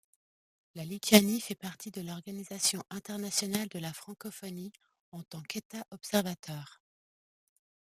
La Lituanie fait partie de l'Organisation internationale de la francophonie en tant qu'État observateur.